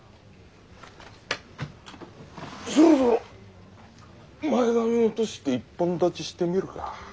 そろそろ前髪落として一本立ちしてみるか？